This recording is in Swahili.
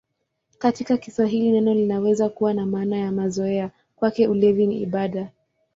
Katika Kiswahili neno linaweza kuwa na maana ya mazoea: "Kwake ulevi ni ibada".